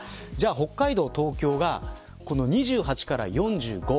北海道、東京がこの２８から４５